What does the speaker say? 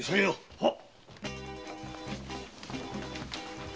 はっ。